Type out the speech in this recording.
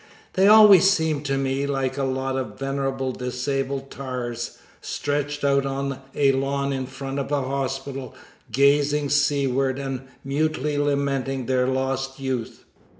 They always seemed to me like a lot of venerable disabled tars, stretched out on a lawn in front of a hospital, gazing seaward, and mutely lamenting their lost youth.